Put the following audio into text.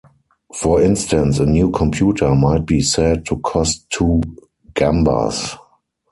For instance a new computer might be said to cost two "gambas".